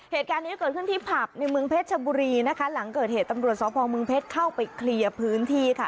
เหตุการณ์นี้เกิดขึ้นที่ผับในเมืองเพชรชบุรีนะคะหลังเกิดเหตุตำรวจสพเมืองเพชรเข้าไปเคลียร์พื้นที่ค่ะ